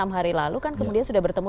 enam hari lalu kan kemudian sudah bertemu